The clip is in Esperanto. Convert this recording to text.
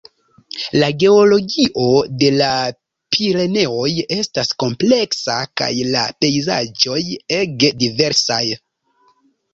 La geologio de la Pireneoj estas kompleksa kaj la pejzaĝoj ege diversaj.